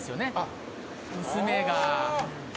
娘が。